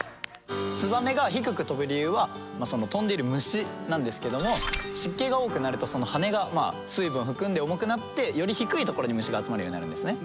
ツバメが低く飛ぶ理由はその飛んでいる虫なんですけども湿気が多くなるとその羽が水分含んで重くなってより低い所に虫が集まるようになるんですね。